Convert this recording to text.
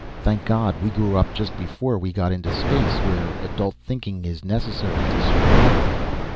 Thank God, we grew up just before we got into space, where adult thinking is necessary to survival!"